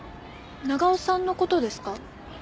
長尾さんの事ですか？